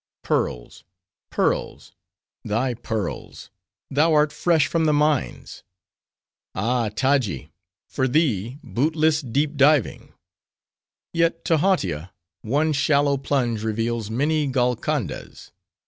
"Pearls, pearls! thy pearls! thou art fresh from the mines. Ah, Taji! for thee, bootless deep diving. Yet to Hautia, one shallow plunge reveals many Golcondas.